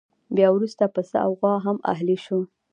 بیا وروسته پسه او غوا هم اهلي شول.